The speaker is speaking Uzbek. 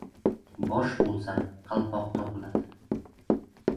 • Bosh bo‘lsa, qalpoq topiladi.